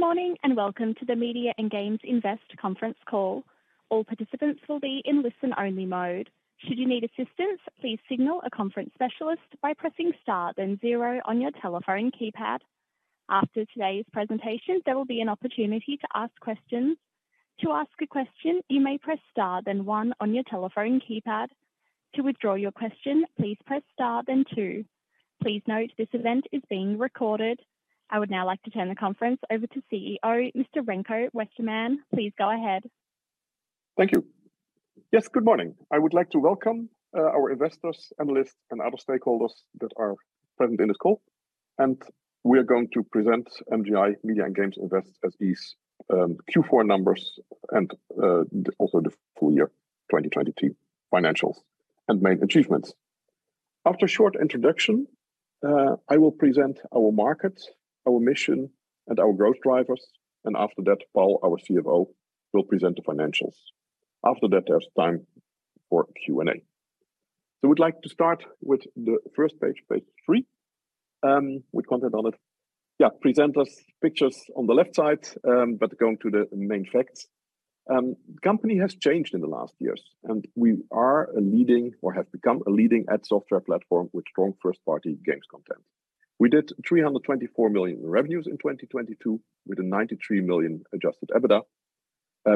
Good morning and welcome to the Media and Games Invest Conference Call. All participants will be in listen-only mode. Should you need assistance, please signal a conference specialist by pressing star then zero on your telephone keypad. After today's presentation, there will be an opportunity to ask questions. To ask a question, you may press star then one on your telephone keypad. To withdraw your question, please press star then two. Please note this event is being recorded. I would now like to turn the conference over to CEO, Mr. Remco Westermann. Please go ahead. Thank you. Yes, good morning. I would like to welcome our investors, analysts, and other stakeholders that are present in this call and we are going to present MGI, Media and Games Invest SE's, Q4 numbers and also the full year 2022 financials and main achievements. After a short introduction, I will present our markets, our mission, and our growth drivers and after that, Paul, our CFO, will present the financials. After that, there's time for Q&A. We'd like to start with the first page 3 and with content on it. Yeah, presenters pictures on the left side and but going to the main facts. Company has changed in the last years and we are a leading or have become a leading ad software platform with strong first-party games content. We did 324 million revenues in 2022 with the 93 million adjusted EBITDA,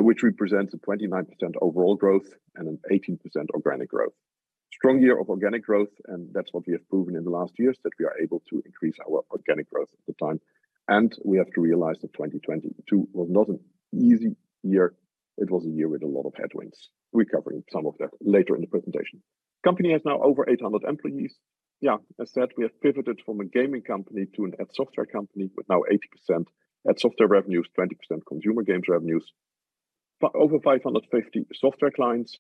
which represents a 29% overall growth and an 18% organic growth. Strong year of organic growth, and that's what we have proven in the last years, that we are able to increase our organic growth at the time and we have to realize that 2022 was not an easy year. It was a year with a lot of headwinds. We're covering some of that later in the presentation. Company has now over 800 employees. Yeah, as said, we have pivoted from a gaming company to an ad software company with now 80% ad software revenues, 20% consumer games revenues. Over 550 software clients.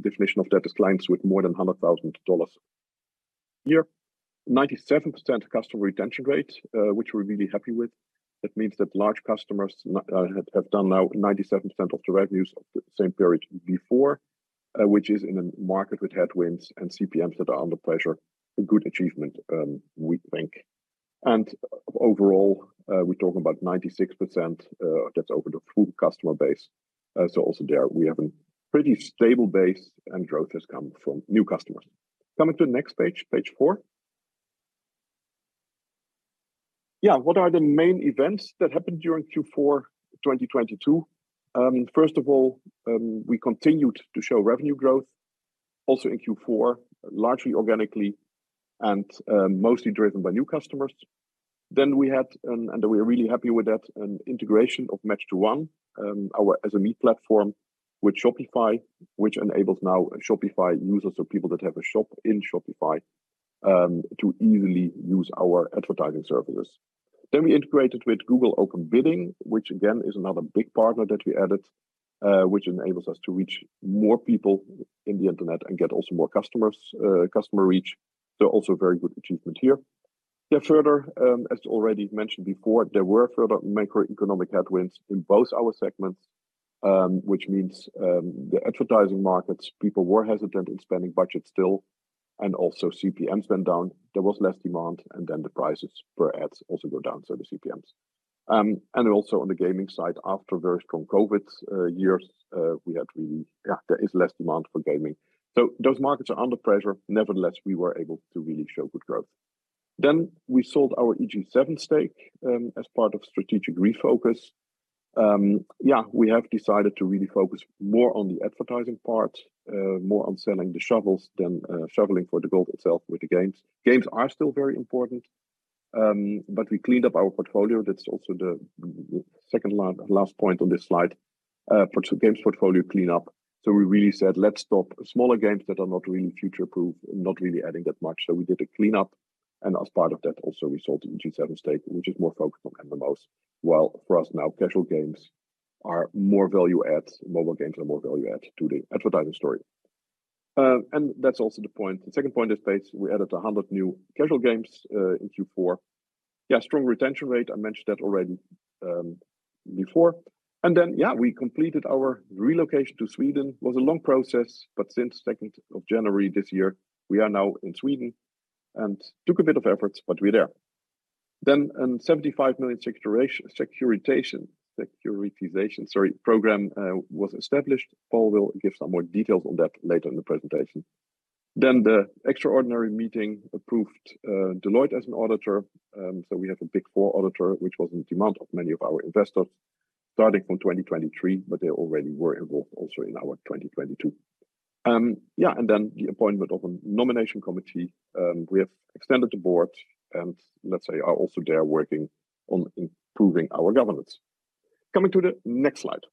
Definition of that is clients with more than $100,000. Year 97% customer retention rate, which we're really happy with. That means that large customers have done now 97% of the revenues of the same period before, which is in a market with headwinds and CPMs that are under pressure. A good achievement, we think and overall, we're talking about 96%, that's over the full customer base. Also there we have a pretty stable base, and growth has come from new customers. Coming to the next page 4. What are the main events that happened during Q4 2022? First of all, we continued to show revenue growth also in Q4, largely organically and mostly driven by new customers. Then we had, and we're really happy with that, an integration of Match2One, our SMA platform with Shopify, which enables now Shopify users or people that have a shop in Shopify to easily use our advertising services. We integrated with Google Open Bidding, which again is another big partner that we added, which enables us to reach more people in the internet and get also more customers, customer reach. Also very good achievement here. Further, as already mentioned before, there were further macroeconomic headwinds in both our segments, which means the advertising markets, people were hesitant in spending budget still, and also CPMs went down. There was less demand, the prices for ads also go down, so the CPMs. Also on the gaming side, after very strong COVID years, we had. Yeah, there is less demand for gaming. So, those markets are under pressure. Nevertheless, we were able to really show good growth. Then, we sold our EG7 stake as part of strategic refocus. Yeah, we have decided to really focus more on the advertising part, more on selling the shovels than shoveling for the gold itself with the games. Games are still very important, but we cleaned up our portfolio. That's also the second last point on this slide. For games portfolio cleanup. We really said, let's stop smaller games that are not really future-proof and not really adding that much that we did a cleanup, and as part of that also we sold EG7 stake, which is more focused on MMOs. While for us now, casual games are more value apps, mobile games are more value add to the advertising story. That's also the point. The second point is pace. We added 100 new casual games in Q4. Strong retention rate, I mentioned that already before. And then yeah, we completed our relocation to Sweden. Was a long process, but since 2nd of January this year, we are now in Sweden and took a bit of efforts, but we're there. Then and 75 million securitization, sorry, program was established. Paul will give some more details on that later in the presentation. The extraordinary meeting approved Deloitte as an auditor. We have a Big Four auditor, which was in demand of many of our investors starting from 2023, but they already were involved also in our 2022. And then, the appointment of a nomination committee. We have extended the board and let's say are also there working on improving our governance. Coming to the next slide.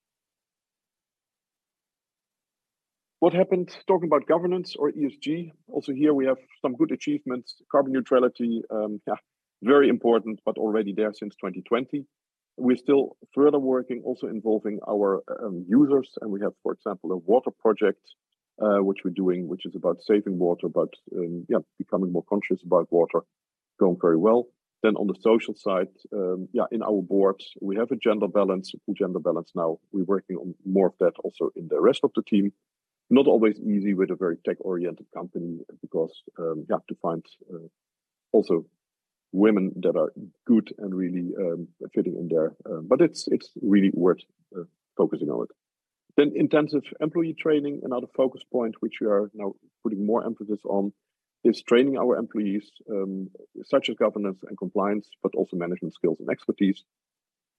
What happened talking about governance or ESG? Also here we have some good achievements. Carbon neutrality, very important, but already there since 2020. We're still further working, also involving our users, and we have, for example, a water project, which we're doing, which is about saving water, about becoming more conscious about water. Going very well. On the social side, in our board, we have a gender balance. Good gender balance now. We're working on more of that also in the rest of the team. Not always easy with a very tech-oriented company because you have to find also women that are good and really fitting in there but it's really worth focusing on it. In terms of employee training, another focus point which we are now putting more emphasis on is training our employees, such as governance and compliance, but also management skills and expertise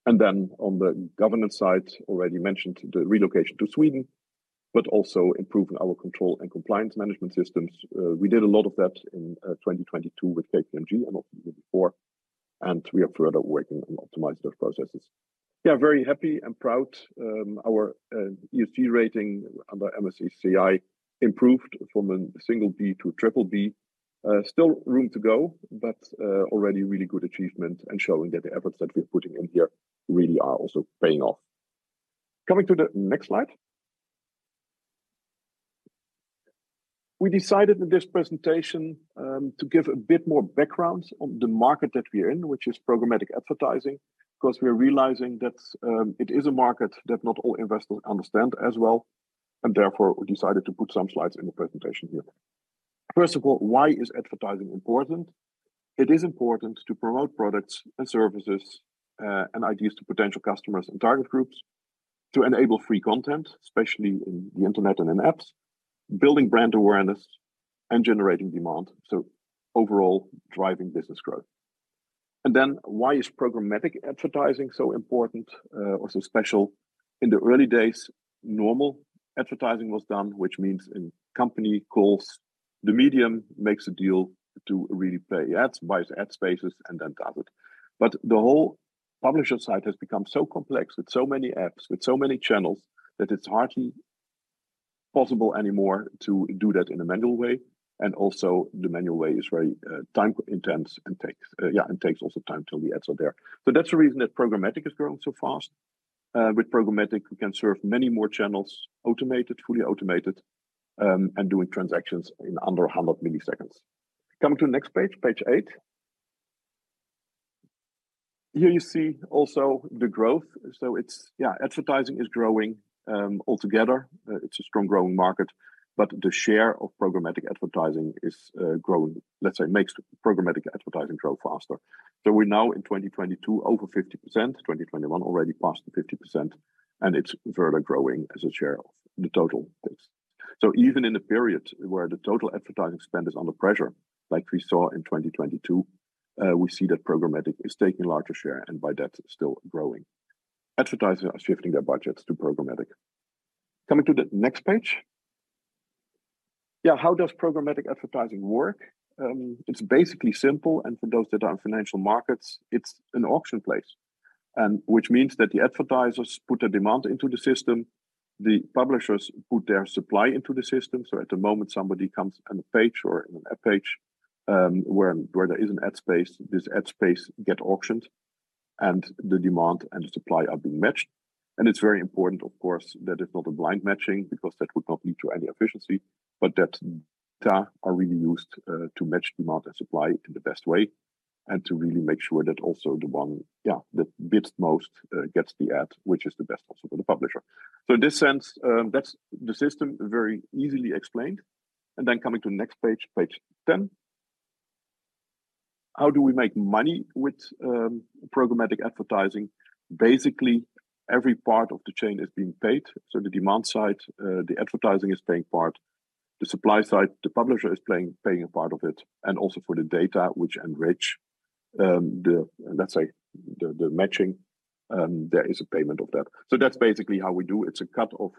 and then one the governance side, already mentioned the relocation to Sweden, but also improving our control and compliance management systems. We did a lot of that in 2022 with KPMG and also before and we are further working on optimizing those processes. Yeah, very happy and proud. Our ESG rating under MSCI improved from a single B to triple B. Still room to go, but already really good achievement and showing that the efforts that we're putting in here really are also paying off. Coming to the next slide. We decided in this presentation, to give a bit more background on the market that we are in, which is programmatic advertising, because we are realizing that it is a market that not all investors understand as well, and therefore we decided to put some slides in the presentation here. First of all, why is advertising important? It is important to promote products and services, and ideas to potential customers and target groups to enable free content, especially in the internet and in apps, building brand awareness and generating demand, so overall driving business growth. And then, why is programmatic advertising so important, or so special? In the early days, normal advertising was done, which means a company calls the medium, makes a deal to really play ads, buys ad spaces, and then does it. The whole publisher side has become so complex with so many apps, with so many channels, that it's hardly possible anymore to do that in a manual way. Also the manual way is very time intense and takes also time till the ads are there. That's the reason that programmatic is growing so fast. With programmatic, we can serve many more channels, automated, fully automated, and doing transactions in under 100 milliseconds. Coming to the next page 8. Here you see also the growth. So it's yeah, advertising is growing altogether. It's a strong growing market. The share of programmatic advertising is growing, let's say makes programmatic advertising grow faster. We're now in 2022 over 50%, 2021 already past the 50%, and it's further growing as a share of the total base. So, even in the period where the total advertising spend is under pressure, like we saw in 2022, we see that programmatic is taking larger share, and by that still growing. Advertisers are shifting their budgets to programmatic. Coming to the next page. Yeah. How does programmatic advertising work? It's basically simple, and for those that are in financial markets, it's an auction place, and which means that the advertisers put a demand into the system, the publishers put their supply into the system. So, at the moment somebody comes on a page or in an app page, where there is an ad space, this ad space get auctioned, the demand and supply are being matched. It's very important, of course, that it's not a blind matching because that would not lead to any efficiency, but that data are really used to match demand and supply in the best way and to really make sure that also the one, yeah, that bids most, gets the ad, which is the best also for the publisher. In this sense, that's the system very easily explained and then coming to next page, page 10. How do we make money with programmatic advertising? Basically, every part of the chain is being paid so, the demand side, the advertising is paying part. The supply side, the publisher is paying a part of it, and also for the data which enriched the, let's say, the matching, there is a payment of that. So that's basically how we do. It's a cut of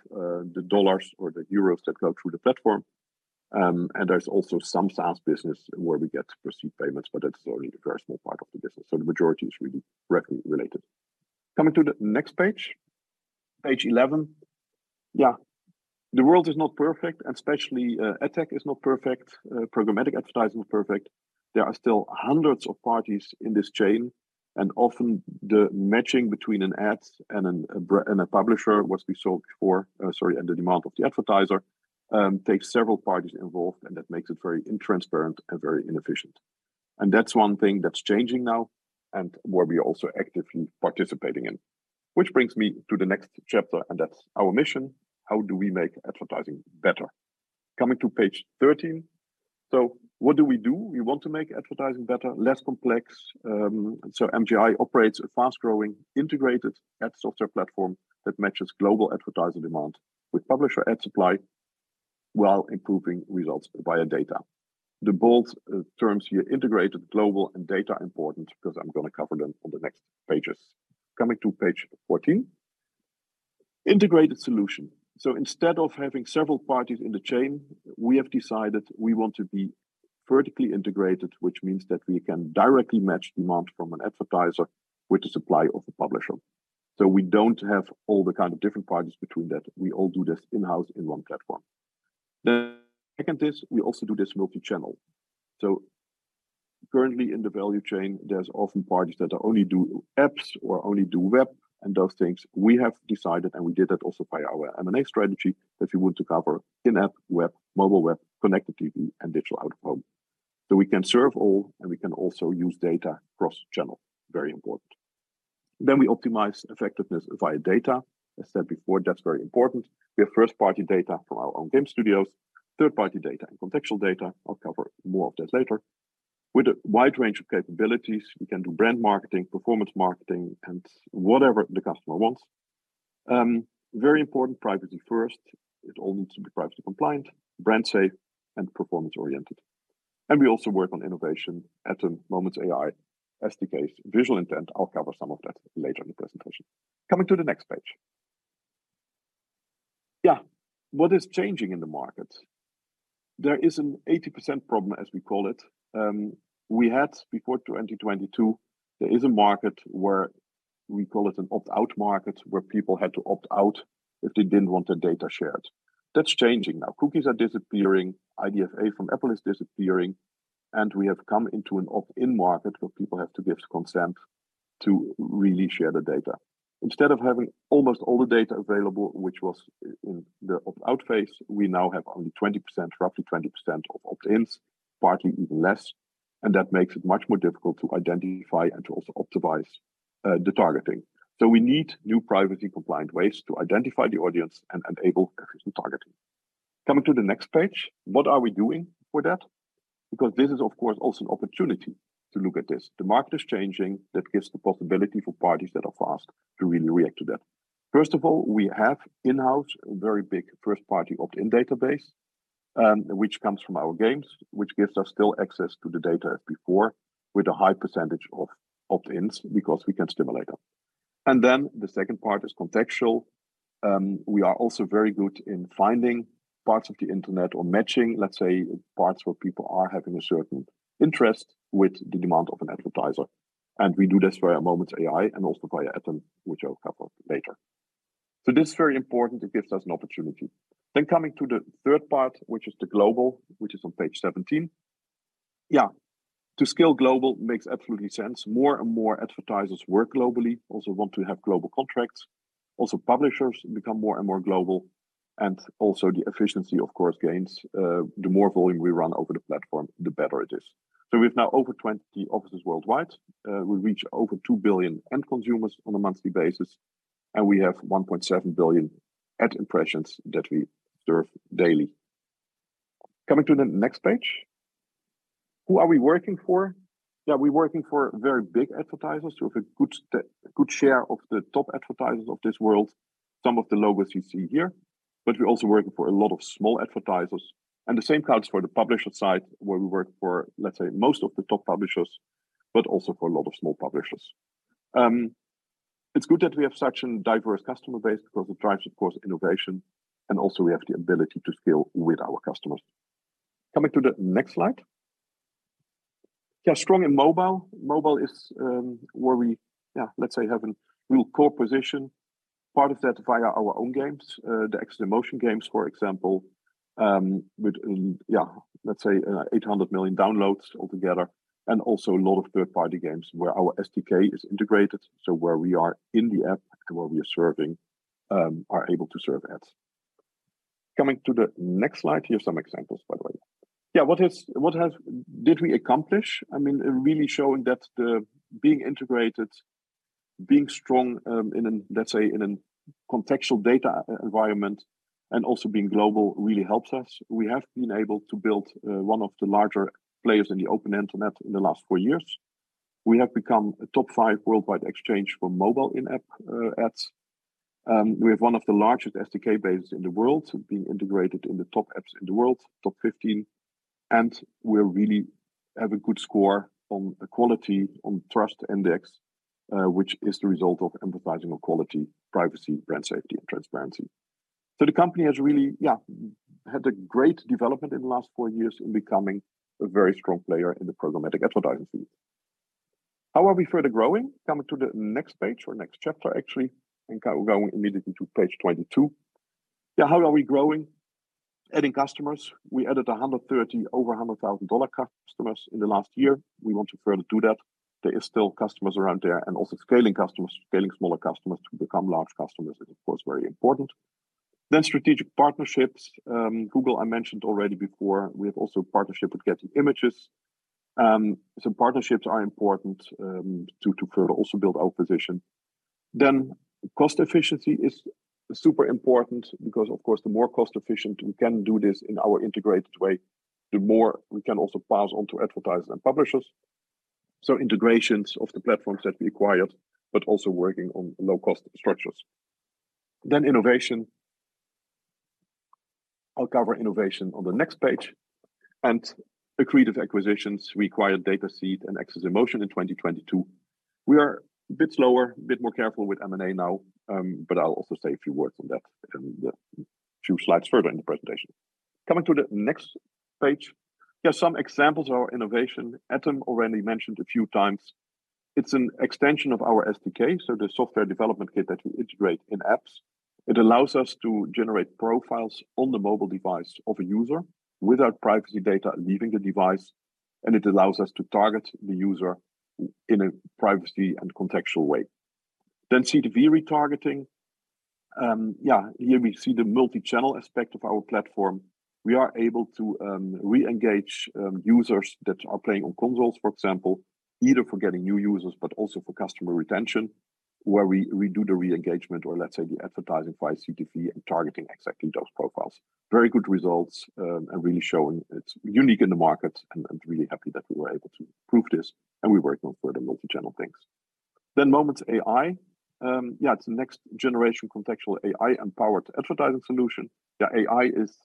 the dollars or the euros that go through the platform. There's also some SaaS business where we get to receive payments, but that is only a very small part of the business. The majority is really directly related. Coming to the next page 11. The world is not perfect, and especially, tech is not perfect, programmatic advertising is not perfect. There are still hundreds of parties in this chain. Often the matching between an ad and a publisher, what we saw before, sorry, and the demand of the advertiser, takes several parties involved. That makes it very intransparent and very inefficient. That's one thing that's changing now and where we are also actively participating in. Which brings me to the next chapter. That's our mission. How do we make advertising better? Coming to page 13. What do we do? We want to make advertising better, less complex. MGI operates a fast-growing, integrated ad software platform that matches global advertiser demand with publisher ad supply while improving results via data. The bold terms here, integrated, global, and data are important because I'm gonna cover them on the next pages. Coming to page 14. Integrated solution. Instead of having several parties in the chain, we have decided we want to be vertically integrated, which means that we can directly match demand from an advertiser with the supply of the publisher. We don't have all the kind of different parties between that. We all do this in-house in one platform. The second is, we also do this multi-channel. Currently in the value chain, there's often parties that only do apps or only do web and those things. We have decided, and we did that also by our M&A strategy, that we want to cover in-app, web, mobile web, connected TV, and digital out-of-home. We can serve all, and we can also use data cross-channel. Very important. We optimize effectiveness via data. I said before, that's very important. We have first-party data from our own game studios, third-party data, and contextual data. I'll cover more of that later. With a wide range of capabilities, we can do brand marketing, performance marketing, and whatever the customer wants. Very important, privacy first. It all needs to be privacy compliant, brand safe, and performance-oriented. We also work on innovation at the moment, AI, SDKs, Visual Intent. I'll cover some of that later in the presentation. Coming to the next page. Yeah, what is changing in the market? There is an 80% problem, as we call it. We had before 2022, there is a market where we call it an opt-out market, where people had to opt out if they didn't want their data shared. That's changing now. Cookies are disappearing, IDFA from Apple is disappearing, and we have come into an opt-in market where people have to give consent to really share the data. Instead of having almost all the data available, which was in the opt-out phase, we now have only 20%, roughly 20% of opt-ins, partly even less, and that makes it much more difficult to identify and to also optimize the targeting. We need new privacy-compliant ways to identify the audience and enable efficient targeting. Coming to the next page, what are we doing for that? Because this is, of course, also an opportunity to look at this. The market is changing. That gives the possibility for parties that are fast to really react to that. First of all, we have in-house a very big first-party opt-in database, which comes from our games, which gives us still access to the data as before, with a high percentage of opt-ins because we can stimulate them. Then the second part is contextual. We are also very good in finding parts of the internet or matching, let's say, parts where people are having a certain interest with the demand of an advertiser. We do this via Moments.AI and also via ATOM, which I'll cover later. This is very important. It gives us an opportunity. Coming to the third part, which is the global, which is on page 17. To scale global makes absolutely sense. More and more advertisers work globally, also want to have global contracts. Publishers become more and more global, and also the efficiency, of course, gains. The more volume we run over the platform, the better it is. With now over 20 offices worldwide, we reach over 2 billion end consumers on a monthly basis, and we have 1.7 billion ad impressions that we serve daily. Coming to the next page. Who are we working for? We're working for very big advertisers, we have a good share of the top advertisers of this world, some of the logos you see here. We're also working for a lot of small advertisers. The same counts for the publisher side, where we work for, let's say, most of the top publishers, also for a lot of small publishers. It's good that we have such a diverse customer base because it drives, of course, innovation, also we have the ability to scale with our customers. Coming to the next slide. Strong in mobile. Mobile is where we, let's say, have a real core position. Part of that via our own games, the AxesInMotion games, for example, with, yeah, let's say, 800 million downloads altogether, and also a lot of third-party games where our SDK is integrated, so where we are in the app and where we are serving, are able to serve ads. Coming to the next slide, here are some examples, by the way. Yeah, what is, what did we accomplish? I mean, really showing that the being integrated, being strong, in a, let's say, in a contextual data e-environment and also being global really helps us. We have been able to build one of the larger players in the open internet in the last four years. We have become a top five worldwide exchange for mobile in-app ads. We have one of the largest SDK bases in the world, being integrated in the top apps in the world, top 15, and we really have a good score on the quality, on Trust Index, which is the result of emphasizing on quality, privacy, brand safety, and transparency. The company has really had a great development in the last 4 years in becoming a very strong player in the programmatic advertising field. How are we further growing? Coming to the next page or next chapter, I think I will go immediately to page 22. How are we growing? Adding customers. We added over $100,000 customers in the last year. We want to further do that. There is still customers around there and also scaling customers, scaling smaller customers to become large customers is, of course, very important. Strategic partnerships, Google I mentioned already before. We have also a partnership with Getty Images. Some partnerships are important to further also build our position. Cost efficiency is super important because of course the more cost efficient we can do this in our integrated way, the more we can also pass on to advertisers and publishers. Integrations of the platforms that we acquired, but also working on low-cost structures. Innovation. I'll cover innovation on the next page. Accretive acquisitions, we acquired Dataseat and AxesInMotion in 2022. We are a bit slower, a bit more careful with M&A now, but I'll also say a few words on that in the few slides further in the presentation. Coming to the next page. Here are some examples of our innovation. ATOM already mentioned a few times. It's an extension of our SDK, so the software development kit that we integrate in apps. It allows us to generate profiles on the mobile device of a user without privacy data leaving the device, and it allows us to target the user in a privacy and contextual way. CTV retargeting. Yeah, here we see the multichannel aspect of our platform. We are able to re-engage users that are playing on consoles, for example, either for getting new users but also for customer retention, where we do the re-engagement or let's say the advertising via CTV and targeting exactly those profiles. Very good results, and really showing it's unique in the market and really happy that we were able to prove this, and we're working on further multichannel things. Moments.AI. Yeah, it's the next generation contextual AI-empowered advertising solution. AI is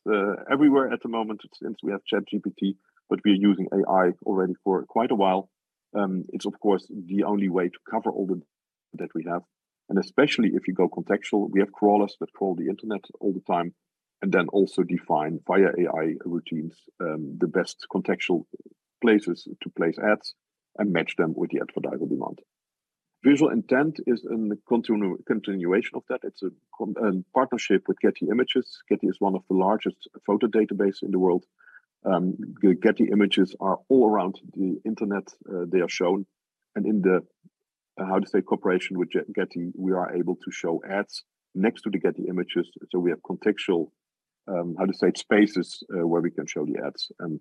everywhere at the moment since we have ChatGPT, but we are using AI already for quite a while. It's of course the only way to cover all the data that we have, and especially if you go contextual. We have crawlers that crawl the internet all the time and then also define via AI routines, the best contextual places to place ads and match them with the advertiser demand. Visual Intent is an continuation of that. It's a partnership with Getty Images. Getty is one of the largest photo database in the world. Getty Images are all around the internet, they are shown. In the, how to say, cooperation with Getty, we are able to show ads next to the Getty Images. We have contextual, how to say, spaces, where we can show the ads and,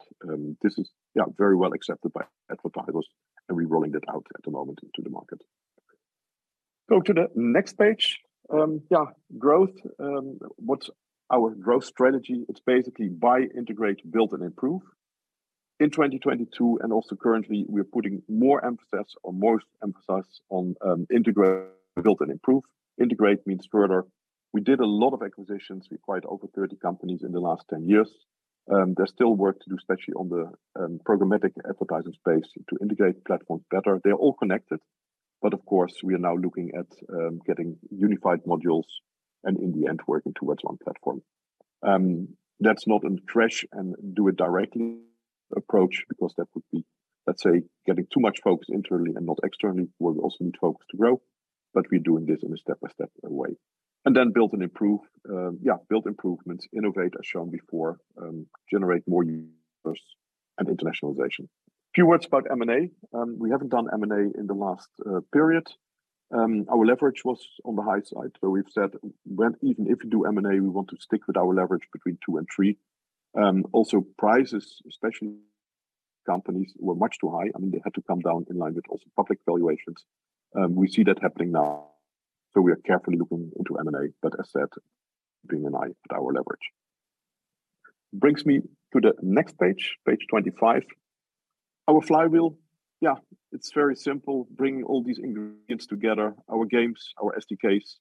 this is, yeah, very well accepted by advertisers, and we're rolling that out at the moment into the market. Go to the next page. Yeah, growth. What's our growth strategy? It's basically buy, integrate, build and improve. In 2022 and also currently, we're putting more emphasis or most emphasis on, integrate, build and improve. Integrate means further. We did a lot of acquisitions. We acquired over 30 companies in the last 10 years. There's still work to do, especially on the, programmatic advertising space to integrate platforms better. They're all connected. Of course, we are now looking at, getting unified modules and in the end working towards one platform. That's not a crash and do it directly approach because that would be, let's say, getting too much focus internally and not externally. We also need focus to grow, but we're doing this in a step-by-step way. Build and improve. Yeah, build improvements, innovate as shown before, generate more users and internationalization. A few words about M&A. We haven't done M&A in the last period. Our leverage was on the high side. We've said even if we do M&A, we want to stick with our leverage between 2 and 3. Also prices, especially companies, were much too high. I mean, they had to come down in line with also public valuations. We see that happening now. We are carefully looking into M&A, but as said, keeping an eye at our leverage. Brings me to the next page 25. Our flywheel. Yeah, it's very simple. Bringing all these ingredients together, our games, our SDKs,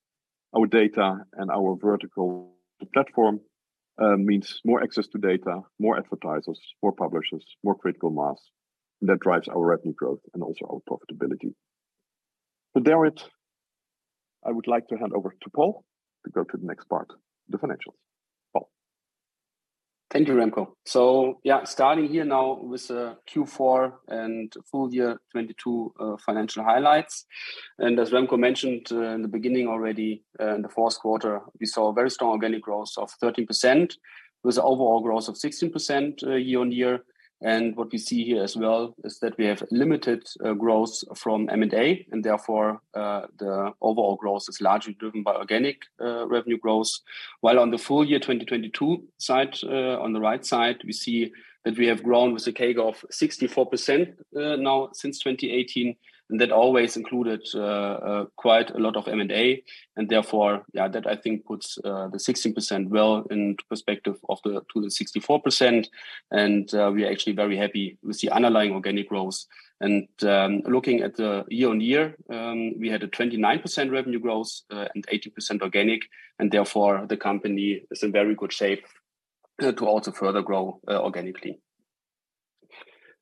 our data and our vertical platform, means more access to data, more advertisers, more publishers, more critical mass. That drives our revenue growth and also our profitability. I would like to hand over to Paul to go to the next part, the financials. Paul. Thank you, Remco. Yeah, starting here now with Q4 and full year 2022 financial highlights. As Remco mentioned, in the beginning already, in the fourth quarter, we saw a very strong organic growth of 13% with overall growth of 16% year-over-year. What we see here as well is that we have limited growth from M&A, therefore, the overall growth is largely driven by organic revenue growth. While on the full year 2022 side, on the right side, we see that we have grown with a CAGR of 64% now since 2018. That always included quite a lot of M&A, therefore, yeah, that I think puts the 16% well into perspective to the 64%. We are actually very happy with the underlying organic growth. Looking at the year-over-year, we had a 29% revenue growth, and 80% organic, and therefore the company is in very good shape to also further grow organically.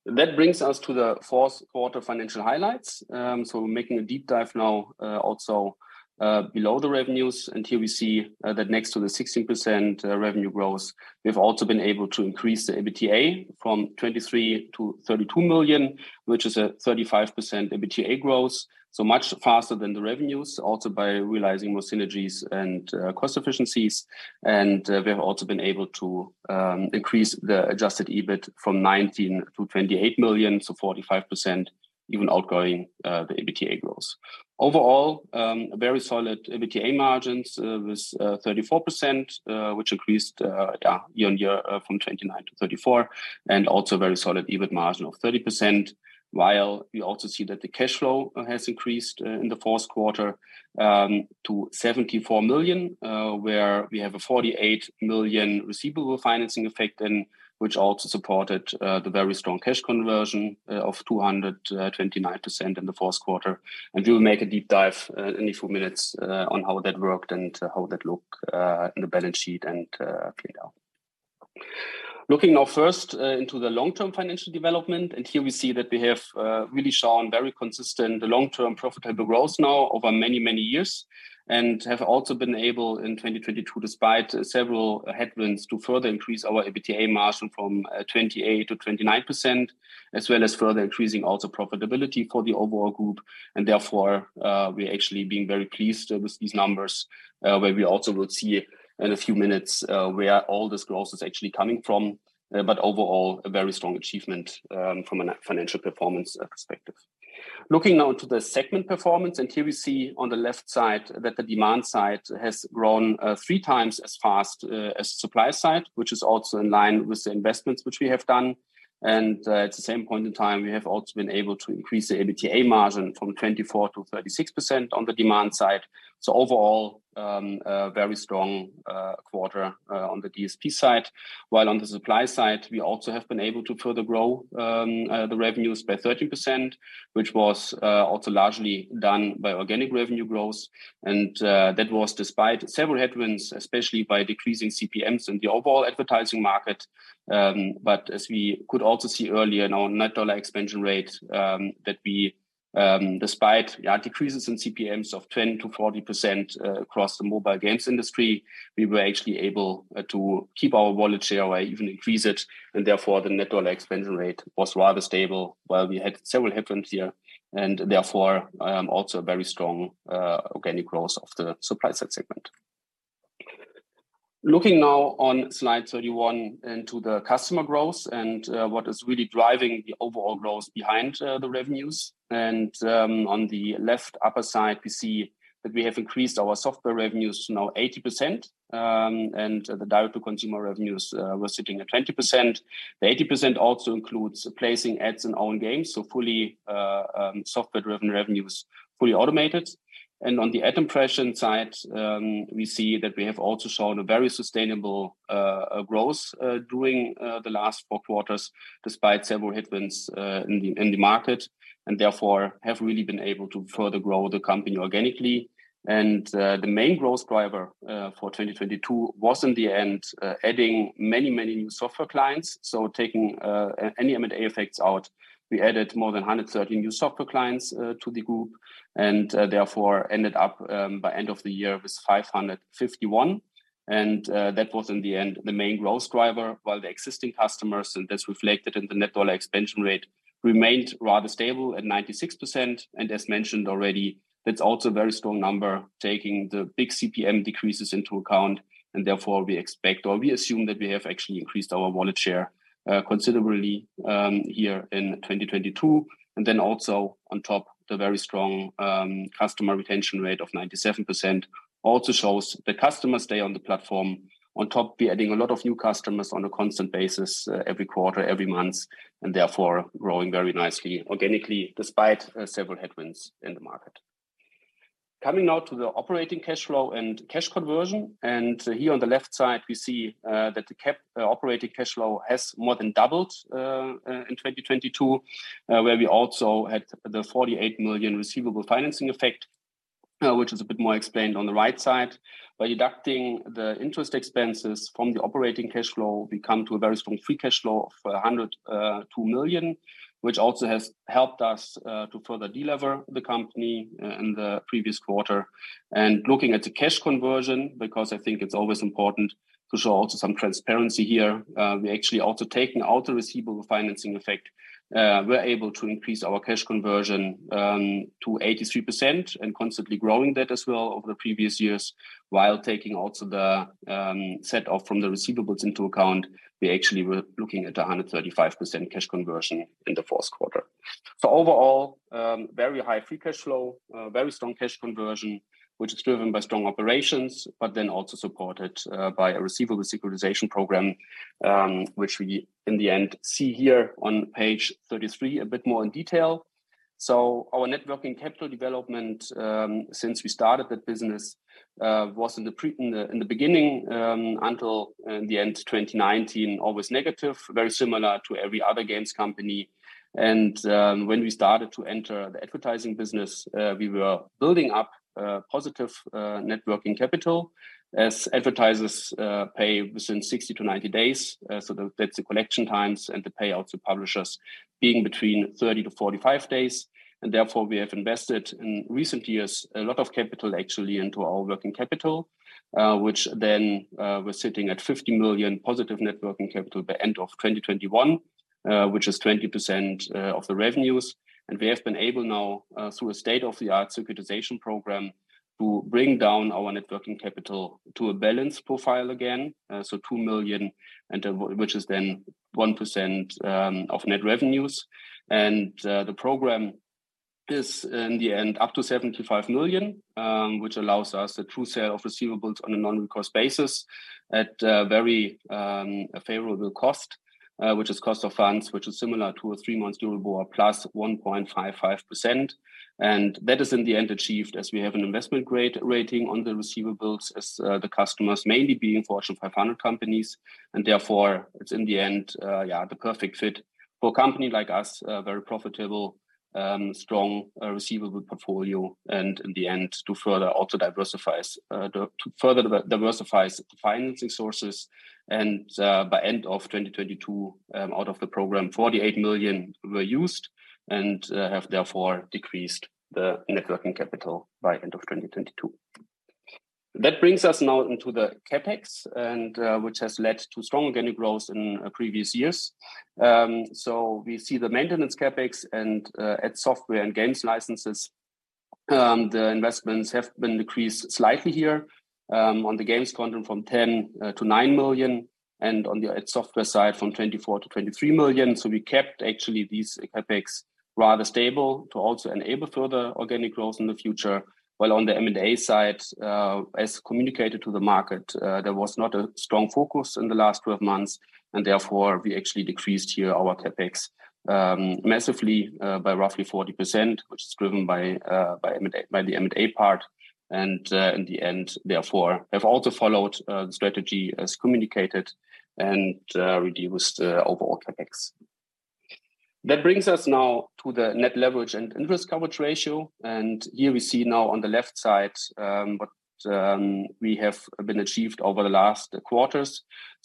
That brings us to the fourth quarter financial highlights. So making a deep dive now, also below the revenues. Here we see that next to the 16% revenue growth, we've also been able to increase the EBITDA from 23 million to 32 million, which is a 35% EBITDA growth, so much faster than the revenues also by realizing more synergies and cost efficiencies. We have also been able to increase the adjusted EBIT from 19 million to 28 million, so 45% even outgoing the EBITDA growth. Overall, a very solid EBITDA margins with 34%, which increased year-over-year, from 29%-34%, and also very solid EBIT margin of 30%. While we also see that the cash flow has increased in the fourth quarter, to 74 million, where we have a 48 million receivable financing effect and which also supported the very strong cash conversion of 229% in the fourth quarter. We will make a deep dive in a few minutes, on how that worked and how that look, in the balance sheet and paid out. Looking now first into the long-term financial development. Here we see that we have really shown very consistent long-term profitable growth now over many, many years, and have also been able in 2022, despite several headwinds, to further increase our EBITDA margin from 28%-29%, as well as further increasing also profitability for the overall group and therefore, we're actually being very pleased with these numbers, where we also will see in a few minutes where all this growth is actually coming from. Overall, a very strong achievement from a financial performance perspective. Looking now to the segment performance. Here we see on the left side that the demand side has grown 3 times as fast as supply side, which is also in line with the investments which we have done. At the same point in time, we have also been able to increase the EBITDA margin from 24%-36% on the demand side. Overall, a very strong quarter on the DSP side. While on the supply side, we also have been able to further grow the revenues by 13%, which was also largely done by organic revenue growth. That was despite several headwinds, especially by decreasing CPMs in the overall advertising market. As we could also see earlier in our net dollar expansion rate, that we, despite decreases in CPMs of 10%-40% across the mobile games industry, we were actually able to keep our wallet share or even increase it, and therefore the net dollar expansion rate was rather stable while we had several headwinds here, and therefore, also very strong organic growth of the supply side segment. Looking now on slide 31 into the customer growth and what is really driving the overall growth behind the revenues and on the left upper side, we see that we have increased our software revenues to now 80%, and the direct to consumer revenues were sitting at 20%. The 80% also includes placing ads in own games, so fully, software-driven revenues, fully automated and on the ad impression side, we see that we have also shown a very sustainable growth during the last 4 quarters, despite several headwinds in the market, therefore have really been able to further grow the company organically. The main growth driver for 2022 was in the end, adding many, many new software clients. Taking any M&A effects out, we added more than 130 new software clients to the group, therefore ended up by end of the year with 551. And, that was in the end, the main growth driver while the existing customers, and that's reflected in the net dollar expansion rate, remained rather stable at 96% and as mentioned already, that's also a very strong number taking the big CPM decreases into account and therefore, we expect or we assume that we have actually increased our wallet share considerably here in 2022. And then also, on top the very strong customer retention rate of 97% also shows the customers stay on the platform. On top, we adding a lot of new customers on a constant basis every quarter, every month, and therefore growing very nicely organically despite several headwinds in the market. Coming now to the operating cash flow and cash conversion. And, here on the left side, we see that the operating cash flow has more than doubled in 2022, where we also had the 48 million receivable financing effect, which is a bit more explained on the right side. By deducting the interest expenses from the operating cash flow, we come to a very strong free cash flow of 102 million, which also has helped us to further de-lever the company in the previous quarter. And, looking at the cash conversion, because I think it's always important to show also some transparency here, we actually also taking out the receivable financing effect, we're able to increase our cash conversion to 83% and constantly growing that as well over the previous years, while taking also the set off from the receivables into account, we actually were looking at a 135% cash conversion in the fourth quarter. Overall, very high free cash flow, very strong cash conversion, which is driven by strong operations, but then also supported by a receivable securitization program, which we in the end see here on page 33 a bit more in detail. So, our net working capital development since we started that business was in the beginning until the end of 2019, always negative, very similar to every other games company and when we started to enter the advertising business, we were building up positive net working capital as advertisers pay within 60 to 90 days. That's the collection times and the payouts to publishers being between 30 to 45 day and therefore, we have invested in recent years, a lot of capital actually into our working capital, which then was sitting at 50 million positive net working capital by end of 2021, which is 20% of the revenues. We have been able now, through a state-of-the-art securitization program to bring down our net working capital to a balance profile again. So 2 million, which is then 1% of net revenues. The program is in the end up to 75 million, which allows us a true sale of receivables on a non-recourse basis at very favorable cost, which is cost of funds, which is similar to a three-month EURIBOR or +1.55%. That is in the end achieved as we have an investment grade rating on the receivables as the customers mainly being Fortune 500 companies. And therefore, it's in the end, the perfect fit for a company like us, a very profitable, strong, receivable portfolio, and in the end, to further also diversifies the financing sources and by end of 2022, out of the program, 48 million were used and have therefore decreased the net working capital by end of 2022. That brings us now into the CapEx and which has led to strong organic growth in previous years. We see the maintenance CapEx and ad software and games licenses. The investments have been decreased slightly here, on the games quadrant from 10 to 9 million and on the ad software side from 24 to 23 million. We kept actually these CapEx rather stable to also enable further organic growth in the future. While on the M&A side, as communicated to the market, there was not a strong focus in the last 12 months and therefore we actually decreased here our CapEx massively by roughly 40%, which is driven by the M&A part and in the end, therefore have also followed the strategy as communicated and reduced the overall CapEx. That brings us now to the net leverage and interest coverage ratio. Here we see now on the left side, what we have been achieved over the last quarters.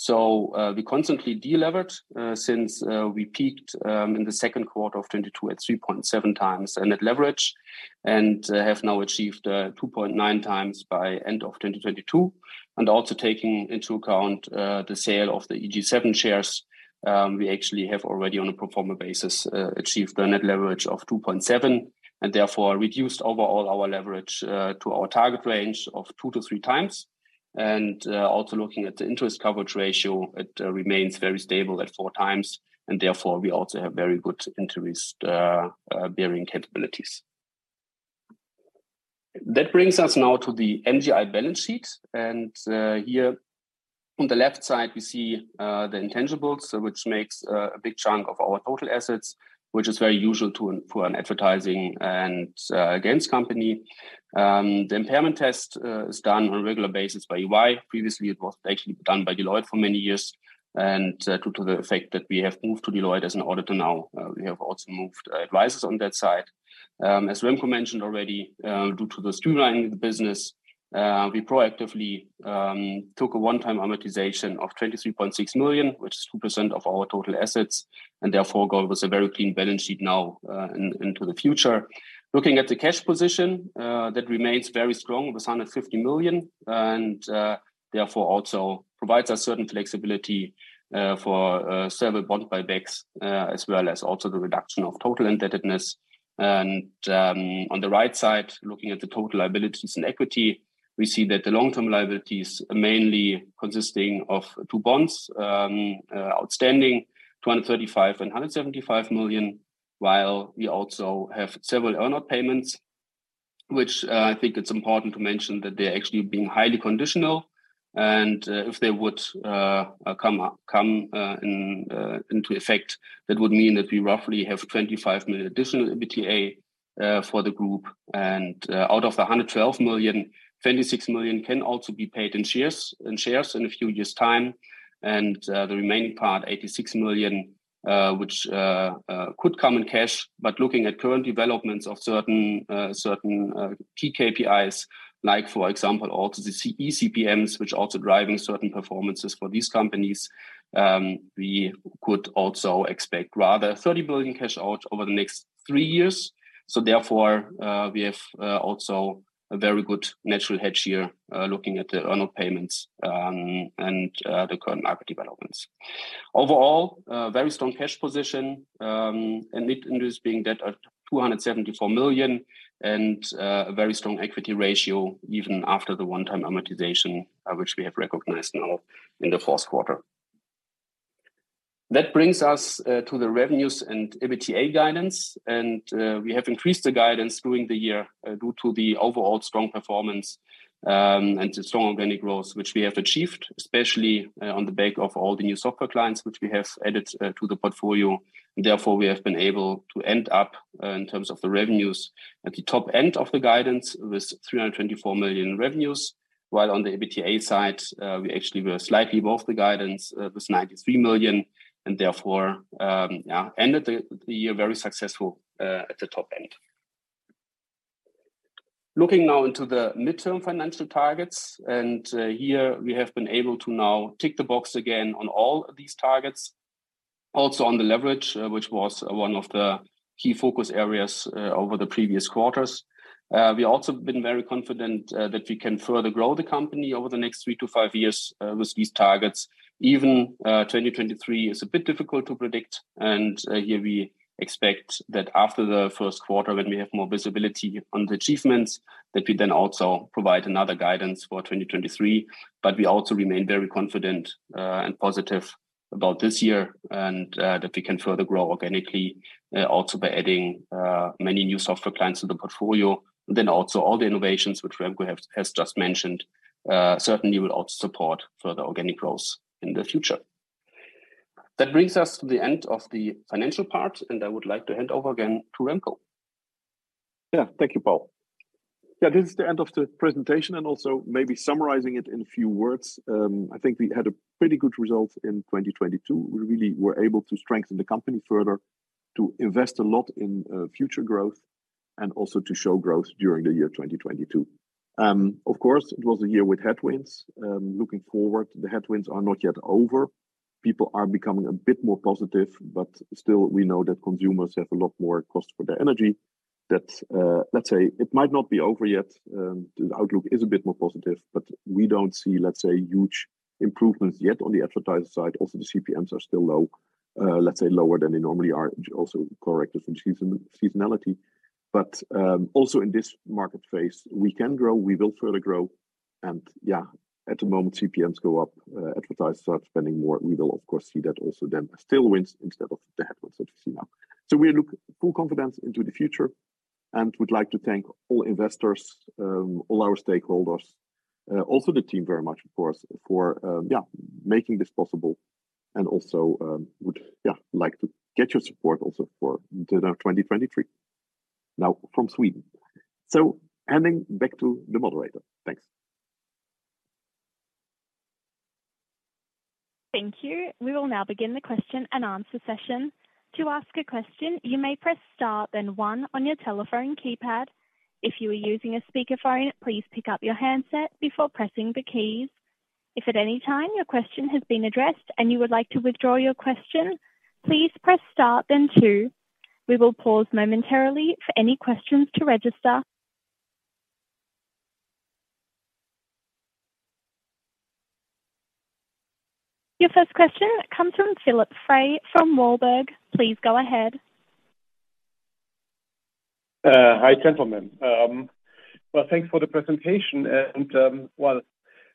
We constantly de-levered since we peaked in the second quarter of 2022 at 3.7 times in net leverage and have now achieved 2.9 times by end of 2022. And also taking into account: The document describes a company's financial performance, focusing on its balance sheet and leverage. The company has achieved a net leverage of 2.7 on a pro forma basis, bringing its overall leverage within its target range of 2-3 times. The interest coverage ratio remains stable at 4 times, indicating strong interest-bearing capabilities. The MGI balance sheet shows that intangibles constitute a significant portion of total assets, which is typical for an advertising and games company. The impairment test for these assets is regularly conducted by EY, having previously been performed by Deloitte for many years Due to the fact that we have moved to Deloitte as an auditor now, we have also moved advisors on that side. As Remco mentioned already, due to the streamlining the business, we proactively took a one-time amortization of 23.6 million, which is 2% of our total assets, and therefore go with a very clean balance sheet now into the future. Looking at the cash position, that remains very strong with 150 million and therefore also provides us certain flexibility for several bond buybacks, as well as also the reduction of total indebtedness. On the right side, looking at the total liabilities and equity, we see that the long term liabilities are mainly consisting of two bonds outstanding, 235 million and 175 million, while we also have several earn out payments, which I think it's important to mention that they're actually being highly conditional, and if they would come into effect, that would mean that we roughly have 25 million additional EBITDA for the group and out of the 112 million, 26 million can also be paid in shares in a few years' time and the remaining part, 86 million, could come in cash. Looking at current developments of certain key KPIs like for example, also the eCPMs which are also driving certain performances for these companies, we could also expect rather 30 billion cash out over the next 3 years. Therefore, we have also a very good natural hedge here, looking at the earn out payments, and the current market developments. Overall, a very strong cash position, and net interest-bearing debt of 274 million and a very strong equity ratio even after the one-time amortization, which we have recognized now in the fourth quarter. That brings us to the revenues and EBITDA guidance. We have increased the guidance during the year due to the overall strong performance and the strong organic growth which we have achieved, especially on the back of all the new software clients which we have added to the portfolio. Therefore, we have been able to end up in terms of the revenues at the top end of the guidance with 324 million revenues, while on the EBITDA side, we actually were slightly above the guidance with 93 million and therefore, ended the year very successful at the top end. Looking now into the midterm financial targets, here we have been able to now tick the box again on all of these targets. Also on the leverage, which was one of the key focus areas over the previous quarters. We also have been very confident that we can further grow the company over the next 3-5 years with these targets. Even 2023 is a bit difficult to predict. Here we expect that after the 1st quarter when we have more visibility on the achievements, that we then also provide another guidance for 2023. We also remain very confident and positive about this year and that we can further grow organically also by adding many new software clients to the portfolio. Also all the innovations which Remco has just mentioned certainly will also support further organic growth in the future. That brings us to the end of the financial part, and I would like to hand over again to Remco. Thank you, Paul. This is the end of the presentation, also maybe summarizing it in a few words. I think we had a pretty good result in 2022. We really were able to strengthen the company further to invest a lot in future growth and also to show growth during the year 2022. Of course, it was a year with headwinds. Looking forward, the headwinds are not yet over. People are becoming a bit more positive, but still we know that consumers have a lot more cost for their energy that, let's say it might not be over yet. The outlook is a bit more positive, but we don't see, let's say, huge improvements yet on the advertiser side. Also, the CPMs are still low. Let's say lower than they normally are, also corrected for seasonality. Also in this market phase, we can grow, we will further grow. At the moment, CPMs go up, advertisers start spending more. We will of course see that also then as tailwinds instead of the headwinds that we see now. We look full confidence into the future and would like to thank all investors, all our stakeholders, also the team very much, of course, for making this possible and also would like to get your support also for the 2023. From Sweden. Handing back to the moderator. Thanks. Thank you. We will now begin the question and answer session. To ask a question, you may press star then one on your telephone keypad. If you are using a speakerphone, please pick up your handset before pressing the keys. If at any time your question has been addressed and you would like to withdraw your question, please press star then two. We will pause momentarily for any questions to register. Your first question comes from Jörg Frey from Warburg. Please go ahead. Hi, gentlemen. Well, thanks for the presentation and well,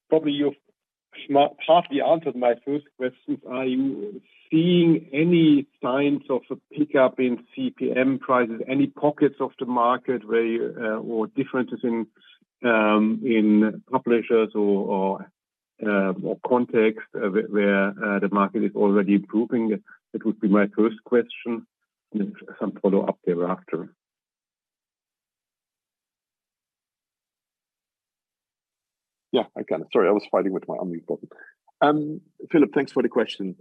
probably you've partly answered my first question. Are you seeing any signs of a pickup in CPM prices? Any pockets of the market where you or differences in publishers or context where the market is already improving? That would be my first question, and some follow-up thereafter. Yeah, I can. Sorry, I was fighting with my unmute button. Jörg, thanks for the question.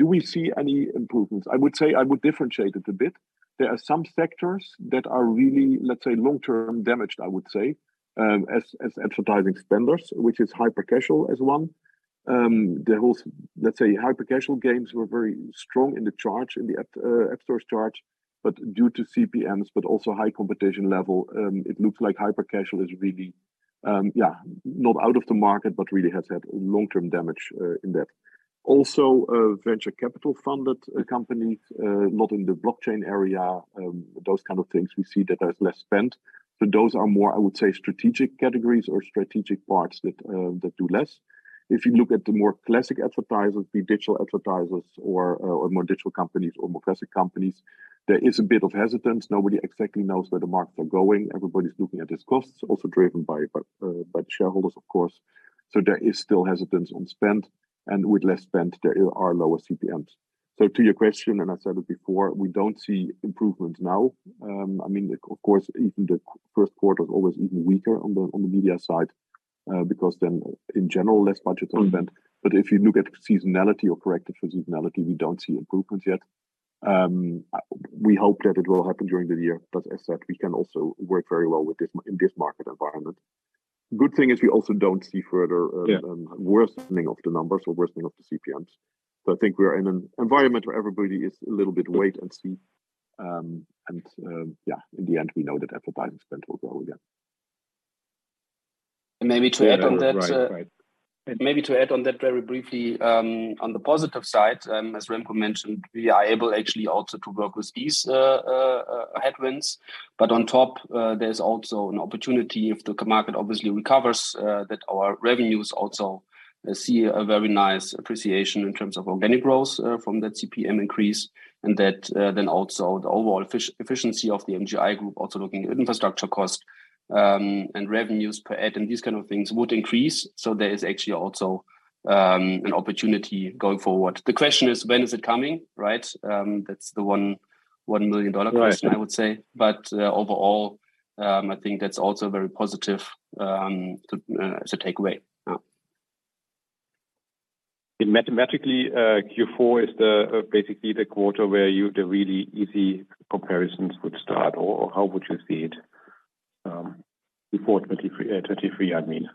Do we see any improvements? I would say I would differentiate it a bit. There are some sectors that are really, let's say, long-term damaged, I would say, as advertising spenders, which is hyper-casual as one. The whole, let's say, hyper-casual games were very strong in the charge, in the App Store charge, but due to CPMs, but also high competition level, it looks like hyper-casual is really, yeah, not out of the market, but really has had long-term damage in that. Also, venture capital funded companies, not in the blockchain area, those kind of things we see that there's less spend. But those are more, I would say, strategic categories or strategic parts that do less. If you look at the more classic advertisers, the digital advertisers or more digital companies or more classic companies, there is a bit of hesitance. Nobody exactly knows where the markets are going. Everybody's looking at its costs, also driven by the shareholders, of course. There is still hesitance on spend, and with less spend, there are lower CPMs. To your question, and I said it before, we don't see improvements now. I mean, of course, even the first quarter is always even weaker on the media side, because then in general, less budget is spent. If you look at seasonality or corrected for seasonality, we don't see improvements yet. We hope that it will happen during the year, but as said, we can also work very well in this market environment. Good thing is we also don't see further- Yeah worsening of the numbers or worsening of the CPMs. I think we are in an environment where everybody is a little bit wait and see. Yeah, in the end, we know that advertising spend will grow again. Maybe to add on that. Yeah. Right. Right. Maybe to add on that very briefly, on the positive side, as Remco mentioned, we are able actually also to work with these headwinds. On top, there's also an opportunity if the market obviously recovers, that our revenues also see a very nice appreciation in terms of organic growth, from that CPM increase, and that then also the overall efficiency of the MGI Group also looking at infrastructure cost, and revenues per ad and these kind of things would increase. There is actually also an opportunity going forward. The question is when is it coming, right? That's the $1 million question. Right I would say but, overall, I think that's also very positive, to, as a takeaway. Yeah. Mathematically, Q4 is the, basically the quarter where the really easy comparisons would start, or how would you see it, before 2023, I mean?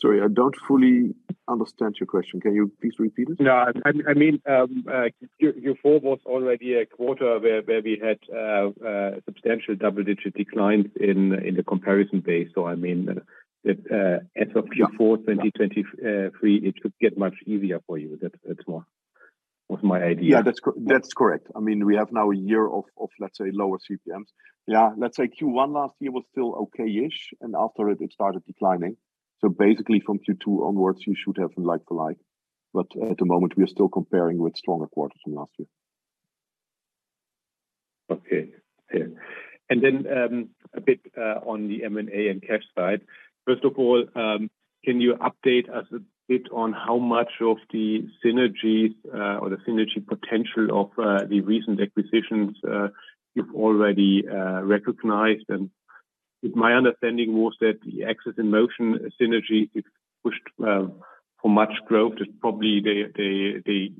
Sorry, I don't fully understand your question. Can you please repeat it? No, I mean, Q4 was already a quarter where we had substantial double-digit declines in the comparison base. I mean, as of Q4 2023, it should get much easier for you. That's more was my idea. That's correct. I mean, we have now a year of, let's say, lower CPMs. Let's say Q1 last year was still okay-ish, and after it started declining. Basically from Q2 onwards, you should have like to like. At the moment we are still comparing with stronger quarters from last year. Okay. Yeah. A bit on the M&A and cash side. First of all, can you update us a bit on how much of the synergies or the synergy potential of the recent acquisitions you've already recognized? My understanding was that the AxesInMotion synergy is pushed for much growth. It's probably the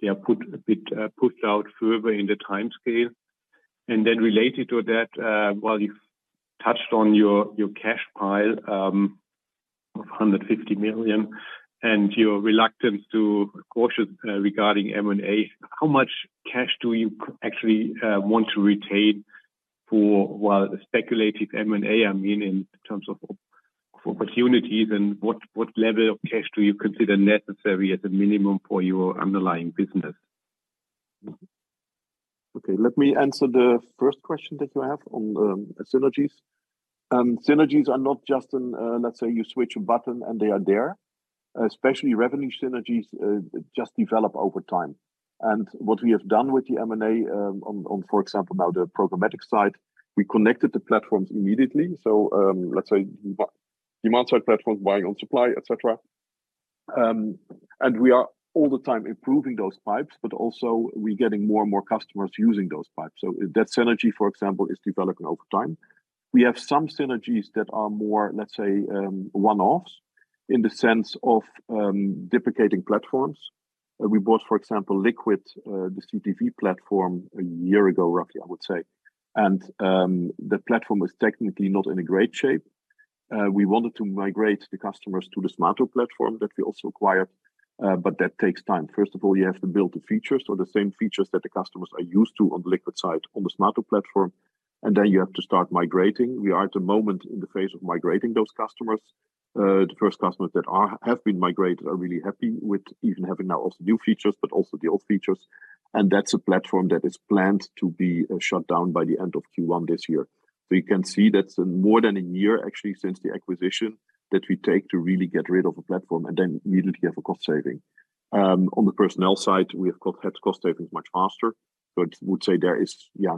they are put a bit pushed out further in the timescale. Related to that, while you've touched on your cash pile of 150 million and your reluctance to cautious regarding M&A, how much cash do you actually want to retain for while the speculative M&A, I mean, in terms of opportunities and what level of cash do you consider necessary as a minimum for your underlying business? Okay, let me answer the first question that you have on synergies. Synergies are not just. Let's say you switch a button, and they are there. Especially revenue synergies, just develop over time and what we have done with the M&A on for example, now the programmatic side, we connected the platforms immediately. Let's say demand side platforms, buying on supply, et cetera. We are all the time improving those pipes, but also we getting more and more customers using those pipes. That synergy, for example, is developing over time. We have some synergies that are more, let's say, one-offs in the sense of duplicating platforms. We bought, for example, LKQD, the CTV platform a year ago, roughly, I would say. The platform was technically not in a great shape. We wanted to migrate the customers to the Smaato platform that we also acquired, but that takes time. First of all, you have to build the features or the same features that the customers are used to on the LKQD side, on the Smaato platform, and then you have to start migrating. We are at the moment in the phase of migrating those customers. The first customers that have been migrated are really happy with even having now also new features, but also the old features. That's a platform that is planned to be shut down by the end of Q1 this year. You can see that's more than a year actually since the acquisition that we take to really get rid of a platform and then immediately have a cost saving. on the personnel side, we of course had cost savings much faster. I would say there is, yeah,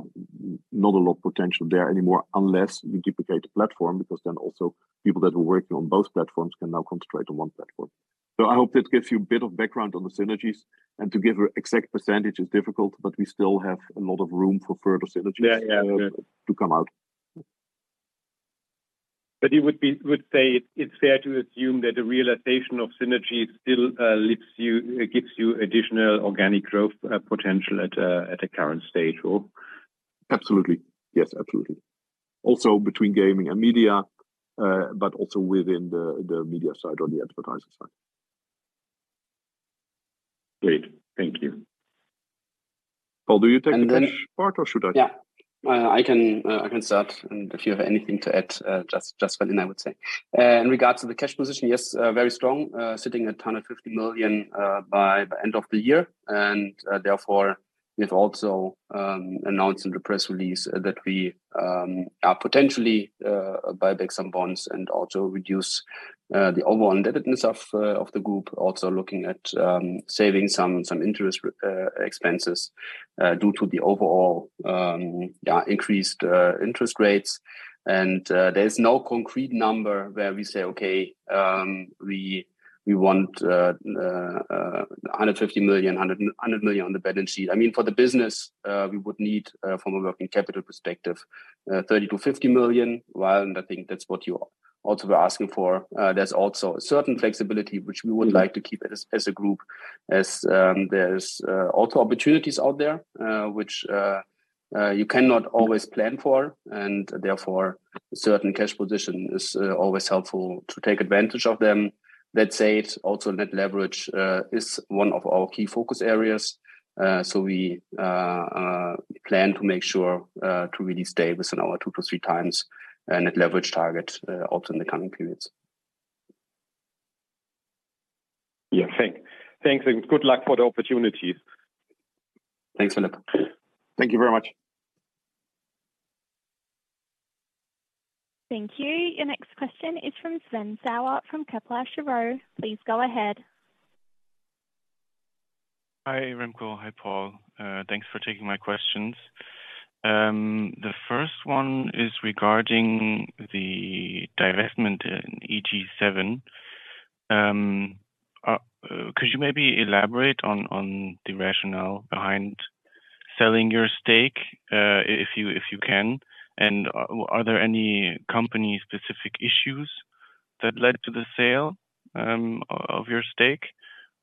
not a lot of potential there anymore unless we duplicate the platform, because then also people that were working on both platforms can now concentrate on one platform. I hope that gives you a bit of background on the synergies and to give a exact percentage is difficult, but we still have a lot of room for further synergies- Yeah, yeah.... to come out. You would say it's fair to assume that the realization of synergies still lifts you gives you additional organic growth potential at a current stage or? Absolutely. Yes, absolutely. Also between gaming and media, but also within the media side or the advertising side. Great. Thank you. Paul, do you take the cash part or should I? Yeah. I can start and if you have anything to add, just fill in, I would say. In regards to the cash position, yes, very strong, sitting at 150 million by the end of the year. Therefore, we've also announced in the press release that we are potentially buy back some bonds and also reduce the overall indebtedness of the Group. Also looking at saving some interest expenses due to the overall increased interest rates. There is no concrete number where we say, "Okay, we want 150 million, 100 million on the balance sheet." I mean, for the business, we would need from a working capital perspective, 30 million-50 million. While and I think that's what you also were asking for, there's also a certain flexibility which we would like to keep as a group as, there's also opportunities out there, which you cannot always plan for. Therefore, certain cash position is always helpful to take advantage of them. Let's say it's also net leverage is one of our key focus areas. So we plan to make sure to really stay within our 2-3 times net leverage target also in the coming periods. Yeah. thanks and good luck for the opportunities. Thanks, Jörg. Thank you very much. Thank you. Your next question is from Sven Sauer from Kepler Cheuvreux. Please go ahead. Hi, Remco. Hi, Paul. Thanks for taking my questions. The first one is regarding the divestment in EG7. Could you maybe elaborate on the rationale behind selling your stake, if you can? Are there any company-specific issues that led to the sale of your stake?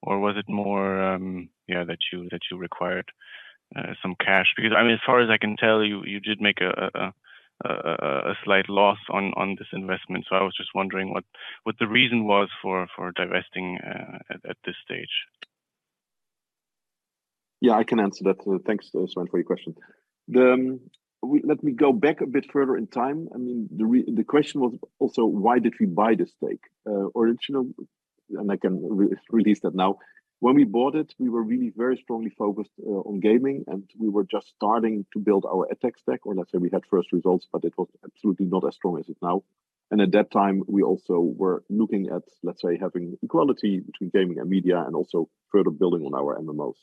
Was it more, yeah, that you required some cash? I mean, as far as I can tell, you did make a slight loss on this investment. I was just wondering what the reason was for divesting at this stage. Yeah, I can answer that. Thanks, Sven, for your question. Let me go back a bit further in time. I mean, the question was also why did we buy this stake? Originally, and I can release that now. When we bought it, we were really very strongly focused on gaming, and we were just starting to build our tech stack, or let's say we had first results, but it was absolutely not as strong as it now. At that time, we also were looking at, let's say, having equality between gaming and media and also further building on our MMOs.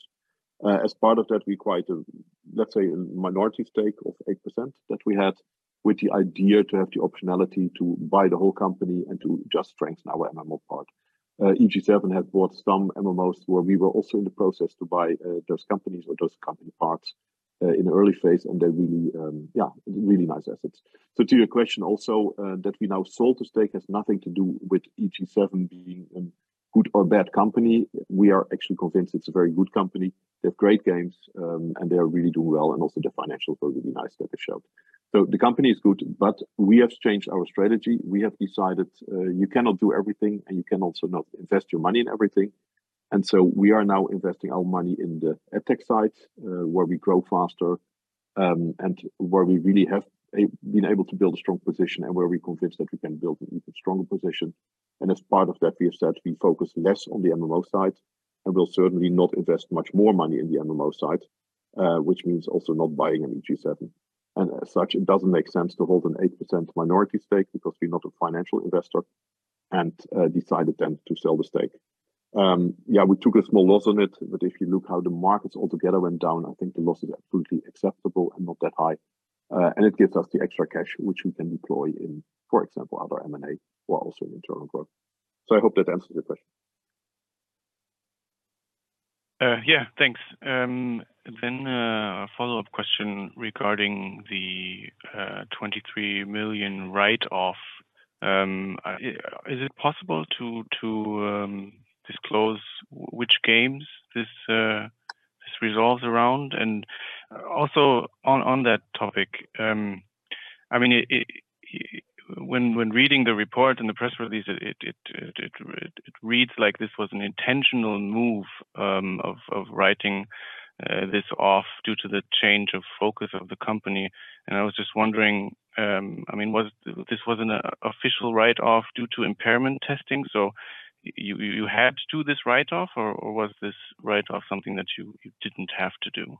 As part of that, we acquired, let's say, a minority stake of 8% that we had with the idea to have the optionality to buy the whole company and to just strengthen our MMO part. EG7 had bought some MMOs where we were also in the process to buy those companies or those company parts in the early phase, and they're really nice assets. To your question also, that we now sold the stake has nothing to do with EG7 being a good or bad company. We are actually convinced it's a very good company. They have great games, and they are really doing well, and also the financials are really nice that they showed. The company is good, but we have changed our strategy. We have decided, you cannot do everything, and you can also not invest your money in everything. We are now investing our money in the AdTech side, where we grow faster, and where we really have been able to build a strong position, and where we're convinced that we can build an even stronger position. As part of that, we have said we focus less on the MMO side, and we'll certainly not invest much more money in the MMO side, which means also not buying any EG7. As such, it doesn't make sense to hold an 8% minority stake because we're not a financial investor, and decided then to sell the stake. Yeah, we took a small loss on it. If you look how the markets altogether went down, I think the loss is absolutely acceptable and not that high. It gives us the extra cash which we can deploy in, for example, other M&A or also in internal growth. I hope that answers your question. Yeah, thanks. A follow-up question regarding the 23 million write-off. Is it possible to disclose which games this resolves around? Also on that topic, I mean, when reading the report and the press release, it reads like this was an intentional move of writing this off due to the change of focus of the company. I was just wondering, I mean, this was an official write-off due to impairment testing, so you had to do this write-off or was this write-off something that you didn't have to do?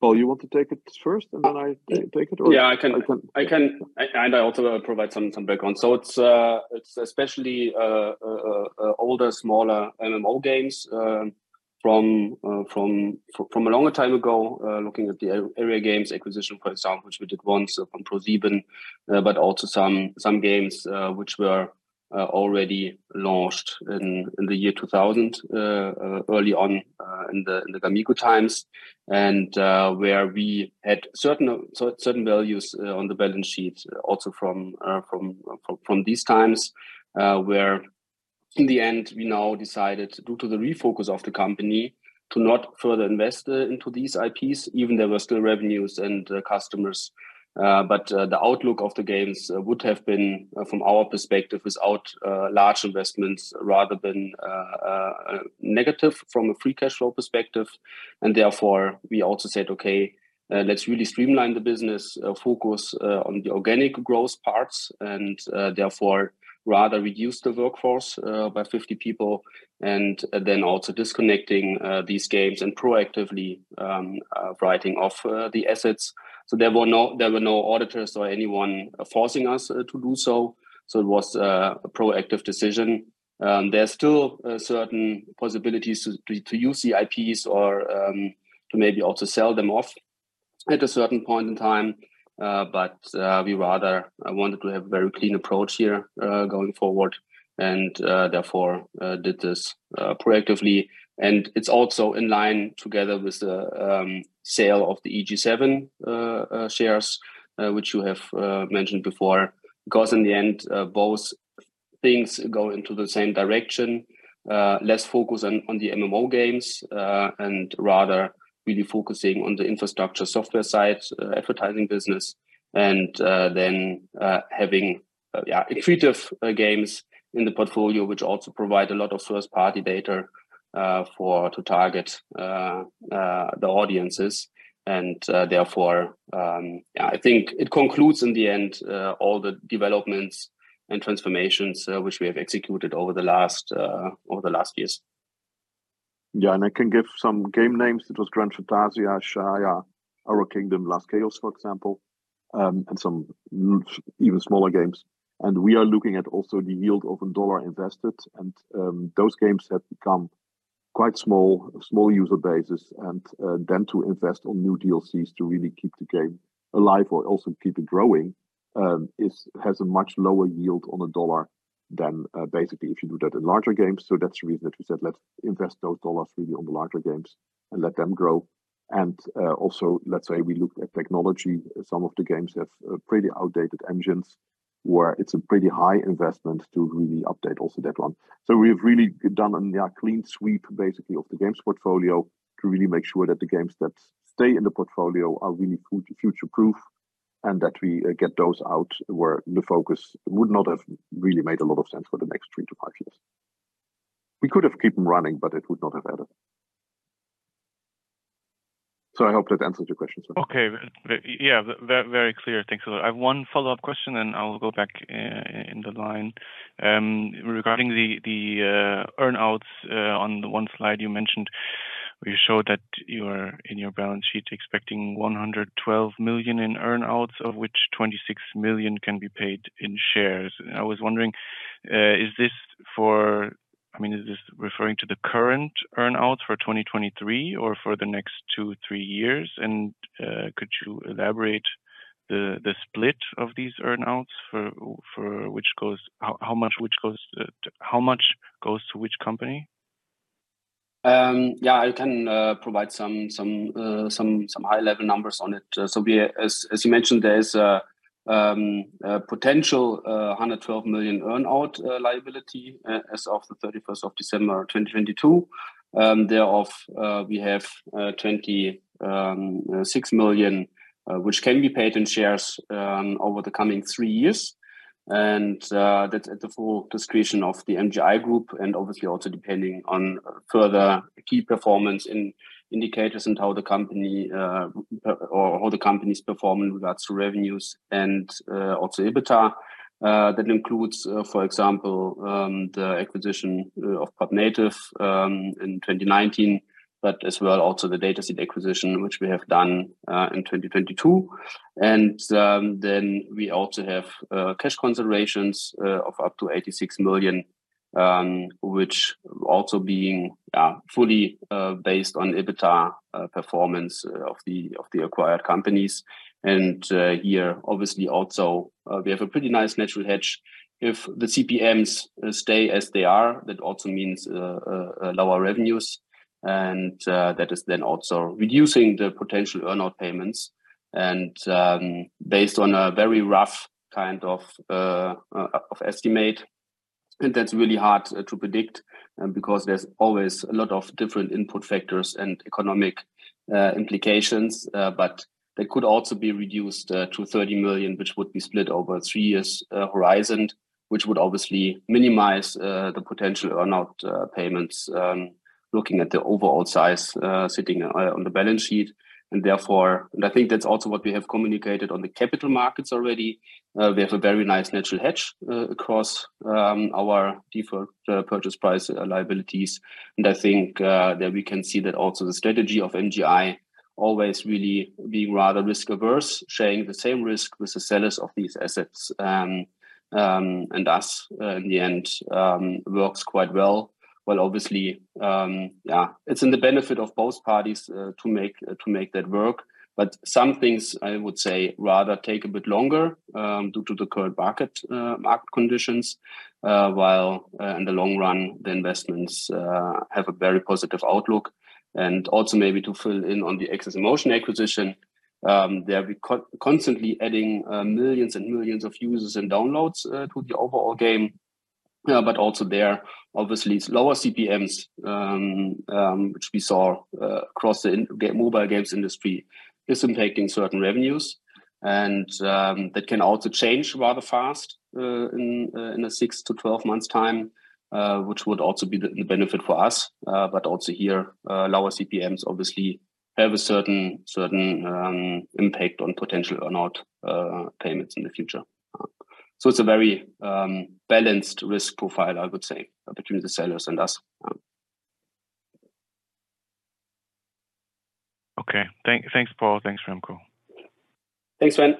Paul, you want to take it first, and then I take it or? Yeah. I can. I also provide some background. It's especially older, smaller MMO games from a longer time ago, looking at the Aeria Games acquisition, for example, which we did once upon ProSieben, but also some games which were already launched in the year 2000 early on in the gamigo times, and where we had certain values on the balance sheet also from these times, where in the end, we now decided due to the refocus of the company to not further invest into these IPs, even there were still revenues and customers. The outlook of the games would have been from our perspective, without large investments, rather than negative from a free cash flow perspective. Therefore, we also said, okay, let's really streamline the business, focus on the organic growth parts, and therefore, rather reduce the workforce by 50 people, and then also disconnecting these games and proactively writing off the assets. There were no auditors or anyone forcing us to do so. It was a proactive decision. There are still certain possibilities to use the IPs or to maybe also sell them off at a certain point in time. We rather wanted to have a very clean approach here going forward and therefore did this proactively. It's also in line together with the sale of the EG7 shares, which you have mentioned before, because in the end, both things go into the same direction. Less focus on the MMO games and rather really focusing on the infrastructure software side, advertising business, and then having creative games in the portfolio, which also provide a lot of first-party data to target the audiences. Therefore, I think it concludes in the end all the developments and transformations which we have executed over the last over the last years. Yeah. I can give some game names. It was Grand Fantasia, Shaiya, Aura Kingdom, Last Chaos, for example, and some even smaller games. We are looking at also the yield of a dollar invested, and those games have become quite small user bases, and then to invest on new DLCs to really keep the game alive or also keep it growing has a much lower yield on a dollar than basically if you do that in larger games. That's the reason that we said let's invest those dollars really on the larger games and let them grow. Also, let's say we looked at technology, some of the games have pretty outdated engines where it's a pretty high investment to really update also that one. We have really done a, yeah, clean sweep basically of the games portfolio to really make sure that the games that stay in the portfolio are really future proof and that we get those out where the focus would not have really made a lot of sense for the next 3 to 5 years. We could have keep them running, but it would not have added. I hope that answers your question. Okay. Yeah. Very clear. Thanks a lot. I have 1 follow-up question, and I will go back in the line. Regarding the earn outs on the 1 slide you mentioned, where you showed that you are in your balance sheet expecting 112 million in earn outs, of which 26 million can be paid in shares. I was wondering, I mean, is this referring to the current earn outs for 2023 or for the next 2, 3 years? Could you elaborate the split of these earn outs for which goes how much which goes to how much goes to which company? I can provide some high-level numbers on it. As you mentioned, there is potential 112 million earn-out liability as of the 31st of December, 2022. Thereof, we have 26 million which can be paid in shares over the coming three years. That's at the full discretion of the MGI Group and obviously also depending on further key performance indicators and how the company or how the company's performing regards to revenues and also EBITDA. That includes, for example, the acquisition of PubNative in 2019, but as well also the Dataseat acquisition which we have done in 2022. Then we also have cash considerations of up to 86 million, which also being fully based on EBITDA performance of the acquired companies. Here obviously also, we have a pretty nice natural hedge. If the CPMs stay as they are, that also means lower revenues and that is then also reducing the potential earn-out payments. Based on a very rough kind of estimate, and that's really hard to predict, because there's always a lot of different input factors and economic implications. But they could also be reduced to 30 million, which would be split over 3 years horizon, which would obviously minimize the potential earn-out payments, looking at the overall size sitting on the balance sheet. I think that's also what we have communicated on the capital markets already. We have a very nice natural hedge across our deferred purchase price liabilities. I think that we can see that also the strategy of MGI always really being rather risk averse, sharing the same risk with the sellers of these assets, and thus in the end works quite well. Obviously, yeah, it's in the benefit of both parties to make that work. Some things I would say rather take a bit longer due to the current market conditions. While in the long run the investments have a very positive outlook. Also maybe to fill in on the AxesInMotion acquisition, they're constantly adding millions and millions of users and downloads to the overall game. Also there obviously is lower CPMs, which we saw across the mobile games industry is impacting certain revenues. That can also change rather fast in a 6-12 months time, which would also be the benefit for us. Also here, lower CPMs obviously have a certain impact on potential earn-out payments in the future. It's a very balanced risk profile, I would say, between the sellers and us. Okay. Thanks, Paul. Thanks, Remco. Thanks, Sven.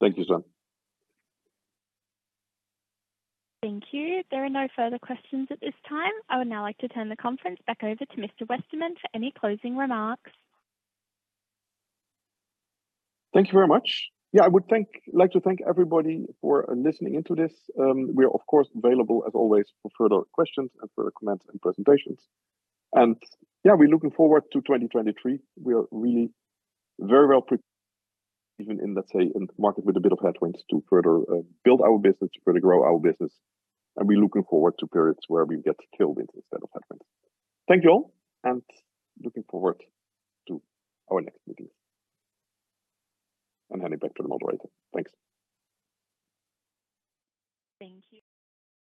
Thank you, Sven. Thank you. There are no further questions at this time. I would now like to turn the conference back over to Mr. Westermann for any closing remarks. Thank you very much. I would like to thank everybody for listening into this. We are of course available as always for further questions and further comments and presentations. We're looking forward to 2023. We are really very well positioned in, let's say, in the market with a bit of headwinds to further build our business, to further grow our business. We're looking forward to periods where we get tailwinds instead of headwinds. Thank you all, looking forward to our next meetings. I'm handing back to the moderator. Thanks. Thank you.